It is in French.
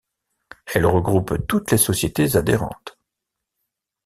Elle regroupe toutes les sociétés adhérentes.